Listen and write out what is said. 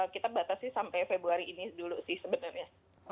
kita batasi sampai februari ini dulu sih sebenarnya